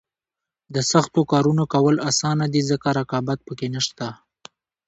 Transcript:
د سختو کارونو کول اسانه دي ځکه رقابت پکې نشته.